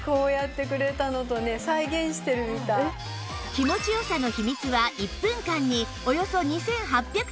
気持ち良さの秘密は１分間におよそ２８００